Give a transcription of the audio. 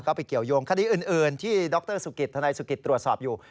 ก็ไปเกี่ยวยงข้าวดีอื่นที่ดรสุกิรถสุกิรตรวจสอบอยู่